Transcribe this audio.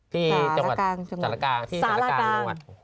ที่สารากลางจังหวัด